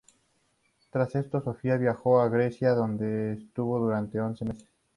Tras esto, Sofia viajó a Grecia donde estuvo durante once meses.